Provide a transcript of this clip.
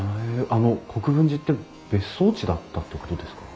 あの国分寺って別荘地だったってことですか？